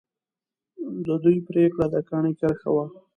د دوی پرېکړه د کاڼي کرښه وي.